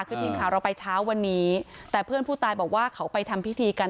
คือทีมข่าวเราไปเช้าวันนี้แต่เพื่อนผู้ตายบอกว่าเขาไปทำพิธีกัน